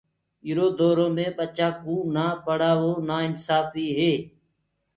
ايٚرو دورو مي ٻچآنٚ ڪو نآ پڙهآوو نآ انسآڦيٚ هي